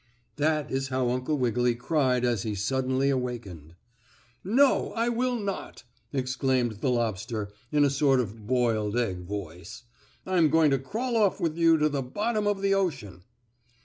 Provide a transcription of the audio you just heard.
That is how Uncle Wiggily cried as he suddenly awakened. "No, I will not!" exclaimed the lobster in a sort of a boiled egg voice. "I'm going to crawl off with you to the bottom of the ocean!"